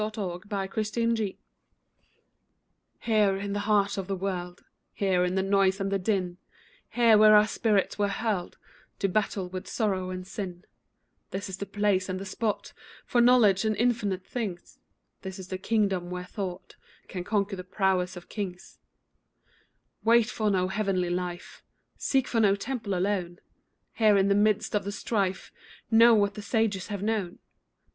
HERE AND NOW Here, in the heart of the world, Here, in the noise and the din, Here, where our spirits were hurled To battle with sorrow and sin, This is the place and the spot For knowledge of infinite things This is the kingdom where Thought Can conquer the prowess of kings Wait for no heavenly life, Seek for no temple alone; Here, in the midst of the strife, Know what the sages have known.